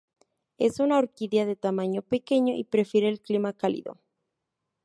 Es una orquídea de tamaño pequeño y prefiere el clima cálido.